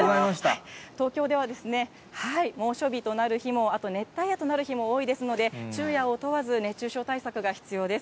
東京では猛暑日となる日も、あと熱帯夜となる日も多いですので、昼夜を問わず熱中症対策が必要です。